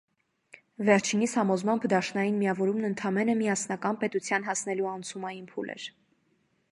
Վերջինիս համոզմամբ՝ դաշնային միավորումն ընդամենը միասնական պետության հասնելու անցումային փուլ էր։